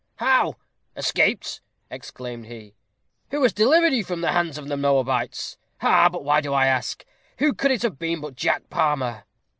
"How? escaped!" exclaimed he. "Who has delivered you from the hands of the Moabites? Ha, ha! But why do I ask? Who could it have been but Jack Palmer?"